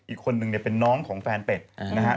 อีกคนนึงเนี่ยเป็นน้องของแฟนเป็ดนะฮะ